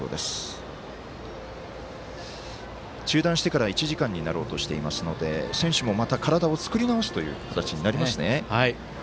中断してから１時間になろうとしていますので選手もまた体を作り直すという形になりますね。